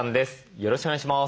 よろしくお願いします。